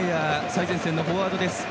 最前線のフォワード。